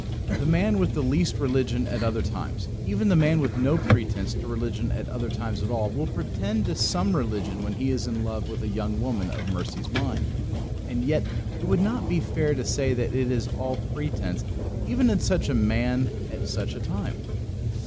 The man with the least religion at other times, even the man with no pretence to religion at other times at all, will pretend to some religion when he is in love with a young woman of Mercy's mind. And yet it would not be fair to say that it is all pretence even in such a man at such a time.